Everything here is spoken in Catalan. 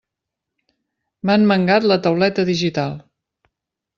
M'han mangat la tauleta digital!